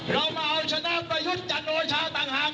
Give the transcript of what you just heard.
เรามาเอาชนะประยุทธ์จันโอชาต่างหาก